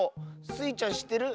スイちゃんしってる？